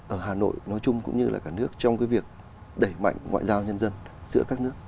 ở hà nội nói chung cũng như là cả nước trong cái việc đẩy mạnh ngoại giao nhân dân giữa các nước